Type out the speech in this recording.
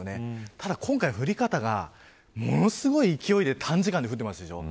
ただ今回、降り方がものすごい勢いで短時間で降ってますでしょう。